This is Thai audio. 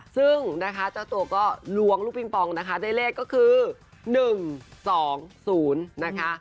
ซึ่งนะคะเจ้าตัวก็ล้วงลูกปิงปองนะคะได้เลขก็คือ๑๒๐นะคะ